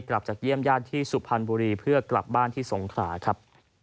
กลับจากเยี่ยมญาติที่สุพรรณบุรีเพื่อกลับบ้านที่สงขราครับ